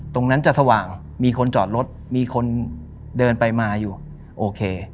ตรงนั้นจะสว่างมีคนจอดรถมีคนเดินไปมาอยู่โอเค